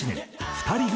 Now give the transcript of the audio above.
２人組